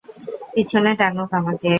পিছনে টানুন আমাকে!